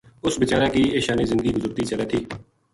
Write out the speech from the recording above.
ا س بِچار ا کی اشانے زندگی گزرتی چلے تھی